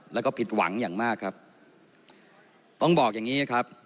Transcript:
แล้วก็ผิดหวังอย่างมากครับต้องบอกอย่างงี้ครับ